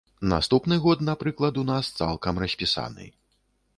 Наступны год, напрыклад, у нас цалкам распісаны.